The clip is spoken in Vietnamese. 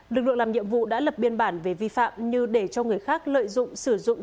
lực lượng làm nhiệm vụ đã lập biên bản về vi phạm như để cho người khác lợi dụng